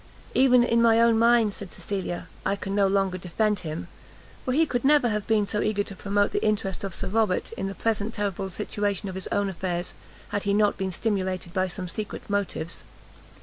"Even in my own mind," said Cecilia, "I can no longer defend him, for he could never have been so eager to promote the interest of Sir Robert, in the present terrible situation of his own affairs, had he not been stimulated by some secret motives.